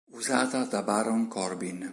Usata da Baron Corbin.